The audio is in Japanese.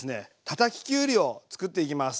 たたききゅうりを作っていきます。